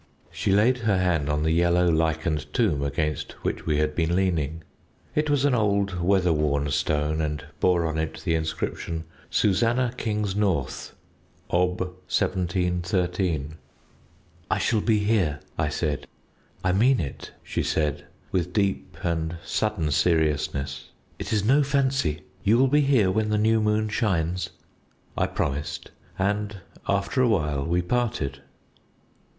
"She laid her hand on the yellow lichened tomb against which we had been leaning. It was an old weather worn stone, and bore on it the inscription 'SUSANNAH KINGSNORTH, Ob. 1713.' "'I shall be here.' I said. "'I mean it,' she said, with deep and sudden seriousness, 'it is no fancy. You will be here when the new moon shines?'" "I promised, and after a while we parted.